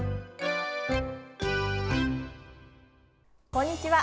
こんにちは。